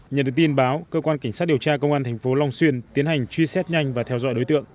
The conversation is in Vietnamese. nhận được tin báo cơ quan cảnh sát điều tra công an tp long xuyên tiến hành truy xét nhanh và theo dõi đối tượng